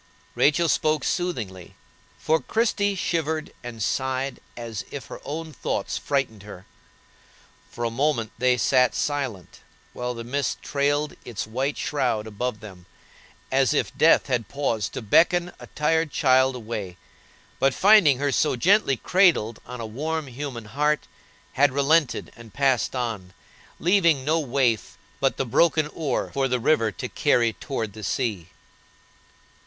Rachel spoke soothingly, for Christie shivered and sighed as if her own thoughts frightened her. For a moment they sat silent, while the mist trailed its white shroud above them, as if death had paused to beckon a tired child away, but, finding her so gently cradled on a warm, human heart, had relented and passed on, leaving no waif but the broken oar for the river to carry toward the sea.